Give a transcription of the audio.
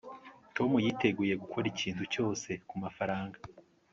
tom yiteguye gukora ikintu cyose kumafaranga